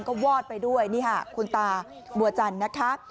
ก็วอดไปด้วยนี่ค่ะคุณตาบัวจันทร์นะคะ